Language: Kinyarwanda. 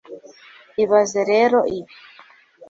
ibaze rero ibi